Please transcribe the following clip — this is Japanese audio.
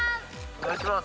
お願いします。